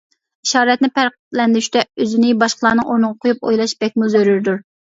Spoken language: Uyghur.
ئىشارەتنى پەرقلەندۈرۈشتە ئۆزىنى باشقىلارنىڭ ئورنىغا قويۇپ ئويلاش بەكمۇ زۆرۈردۇر.